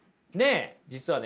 実はね